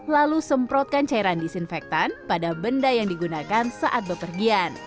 lalu semprotkan cairan disinfektan pada benda yang digunakan saat bepergian